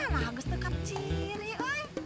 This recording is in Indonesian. lagas tuh kak ciri oi